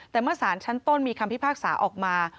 แต่เมื่อสารชั้นต้นมีคำพิพากษาออกมา